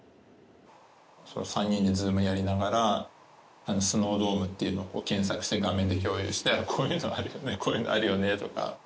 ３人でＺｏｏｍやりながらスノードームっていうのを検索して画面で共有してこういうのあるよねこういうのあるよねとか。